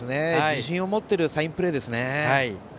自信を持ってるサインプレーですね。